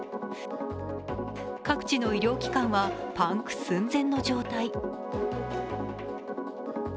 各地の医療機関はパンク寸前の状態。